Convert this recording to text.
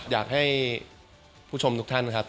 อยากให้ผู้ชมทุกท่านครับ